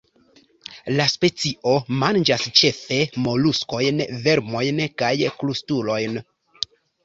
La specio manĝas ĉefe moluskojn, vermojn kaj krustulojn.